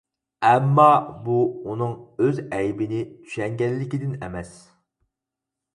ئەمما بۇ ئۇنىڭ ئۆز ئەيىبىنى چۈشەنگەنلىكىدىن ئەمەس.